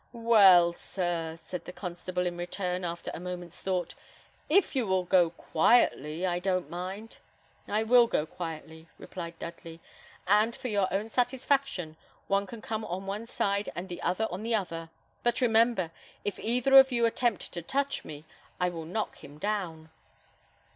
"Well, sir," said the constable in return, after a moment's thought, "if you will go quietly I don't mind." "I will go quietly," replied Dudley, "and for your own satisfaction, one can come on one side and the other on the other; but remember, if either of you attempt to touch me, I will knock him down."